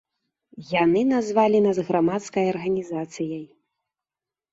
Яны назвалі нас грамадскай арганізацыяй.